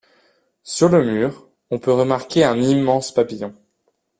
Sur le mur, on peut remarquer un immense papillon.